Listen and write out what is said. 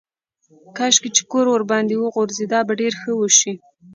کاشکې چې کور ورباندې وغورځېږي دا به ډېره ښه وي.